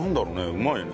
うまいね。